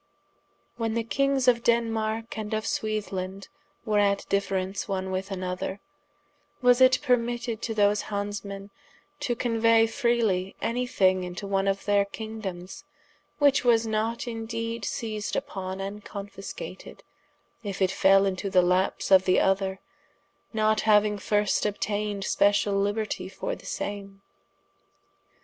] When the Kings of Denmarke, and of Swethlande were at difference one with another, was it permitted to these Hansemen to conuay freely any thing into one of their kingdomes, which was not in deede ceased vpon & confiscated, if it fel into the laps of the other, not hauing first obtained speciall libertie for the same?